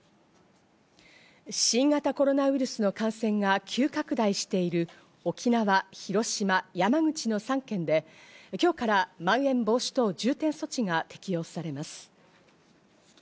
新型コロナウイルスの感染が急拡大している沖縄、広島、山口の３県で、今日からまん延防止等重点措置が適用されます。